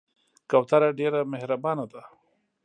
کوتره ډېر مهربانه ده.